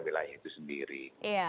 wilayah itu sendiri ya